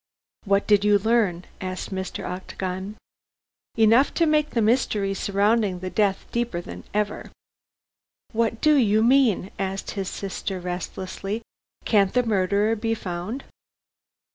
"What did you learn?" asked Mr. Octagon. "Enough to make the mystery surrounding the death deeper than ever." "What do you mean?" asked his sister, restlessly. "Can't the murderer be found?"